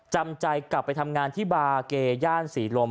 จำใจกลับไปทำงานที่บาเกย่านศรีลม